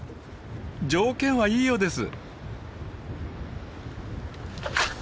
条件はいいようです。